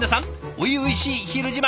初々しい「ひる自慢」